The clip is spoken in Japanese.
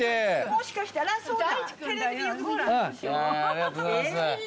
もしかしたらそうだ！